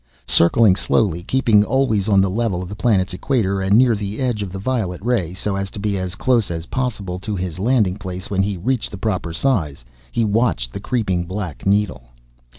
Circling slowly, keeping always on the level of the planet's equator, and near the edge of the violet ray, so as to be as close as possible to his landing place when he reached the proper size, he watched the creeping black needle.